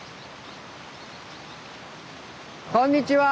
こんにちは。